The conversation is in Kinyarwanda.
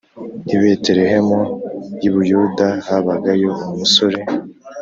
I Betelehemu y i Buyuda habagayo umusore